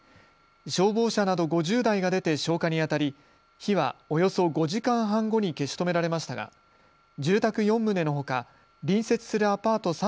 消防車など５０台が出て消火にあたり火はおよそ５時間半後に消し止められましたが住宅４棟のほか隣接するアパート